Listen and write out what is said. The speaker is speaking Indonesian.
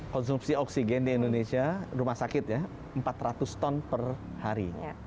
konsumsi oksigen di indonesia rumah sakit ya empat ratus ton per hari